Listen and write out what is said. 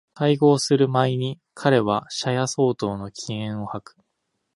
邂逅する毎に彼は車屋相当の気焔を吐く